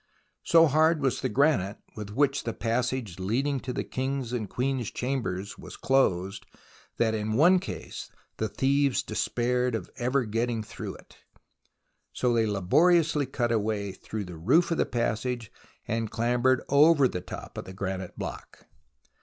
So hard was the granite with which the passage leading to the King's and Queen's Chambers was closed, that in one case the thieves despaired of ever getting through it, so they laboriously cut a way through the roof of the passage and clambered over the top of the granite block.